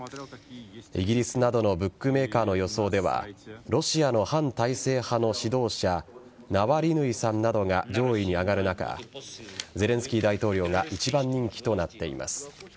イギリスなどのブックメーカーの予想ではロシアの反体制派の指導者ナワリヌイさんなどが上位に挙がる中ゼレンスキー大統領が一番人気となっています。